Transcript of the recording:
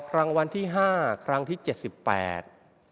รางวัลที่ห้าครั้งที่เจ็ดสิบแปด